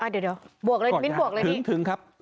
เดี๋ยวบวกเลยมิ้นบวกเลยมิ้นถึงครับ